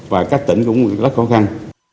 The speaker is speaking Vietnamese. và các tỉnh cũng rất khó khăn